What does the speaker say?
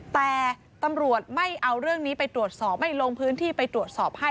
แต่ตำรวจไม่เอาเรื่องนี้ไปตรวจสอบไม่ลงพื้นที่ไปตรวจสอบให้